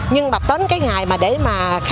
nhưng mà tới ngày nay mấy anh em cũng phấn khởi